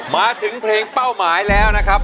มาถึงเพลงเป้าหมายแล้วนะครับ